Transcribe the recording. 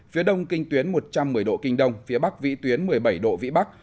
phía đông kinh tuyến một trăm một mươi độ kinh đông phía bắc vĩ tuyến một mươi bảy độ vĩ bắc